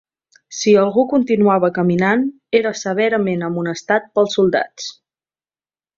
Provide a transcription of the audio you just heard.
Si algú continuava caminant era severament amonestat pels soldats.